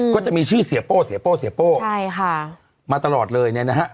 ก็จะมีชื่อเสียโป้เสียโป้เสียโป้ใช่ค่ะมาตลอดเลยเนี่ยนะฮะ